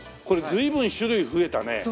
これ随分種類増えたね。